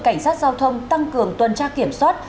cảnh sát giao thông tăng cường tuần tra kiểm soát